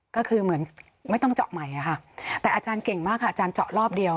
ก็คือเหมือนไม่ต้องเจาะใหม่อะค่ะแต่อาจารย์เก่งมากค่ะอาจารย์เจาะรอบเดียว